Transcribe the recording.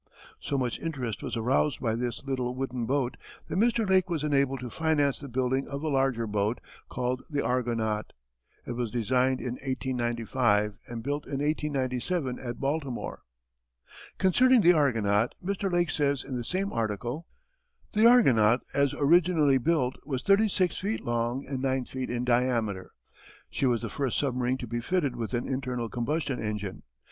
So much interest was aroused by this little wooden boat that Mr. Lake was enabled to finance the building of a larger boat, called the Argonaut. It was designed in 1895 and built in 1897 at Baltimore. Concerning the Argonaut Mr. Lake says in the same article: The Argonaut as originally built was 36 feet long and 9 feet in diameter. She was the first submarine to be fitted with an internal combustion engine.